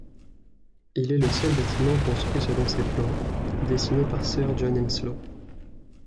Il est le seul bâtiment construit selon ces plans, dessinés par Sir John Henslow.